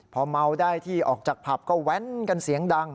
พอเมาได้ที่ออกจากผับก็แว้นกันเสียงดัง